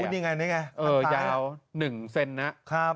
พูดยังไงนี่ไงหลังตายเออยาว๑เซนนะครับ